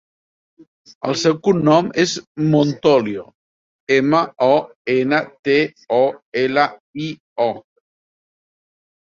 El seu cognom és Montolio: ema, o, ena, te, o, ela, i, o.